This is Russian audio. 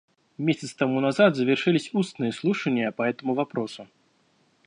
Месяц тому назад завершились устные слушания по этому вопросу.